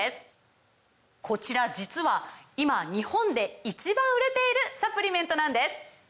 こちら実は今日本で１番売れているサプリメントなんです！